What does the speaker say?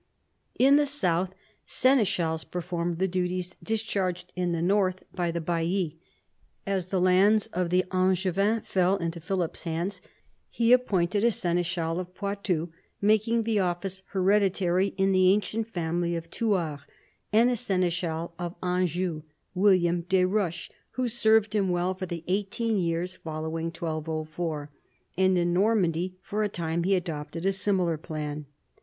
In the south seneschals performed the duties dis charged in the north by the baillis. As the lands of the Angevins fell into Philip's hands he appointed a seneschal of Poitou, making the office hereditary in the ancient family of Thouars, and a seneschal of Anjou, William des Roches, who served him well for the eighteen years following 1204; and in Normandy for a time he adopted a similar plan.